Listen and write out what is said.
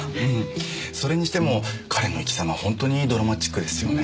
それにしても彼の生きざまは本当にドラマチックですよね。